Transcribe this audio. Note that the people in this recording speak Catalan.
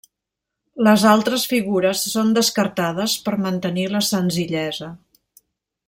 Les altres figures són descartades per mantenir la senzillesa.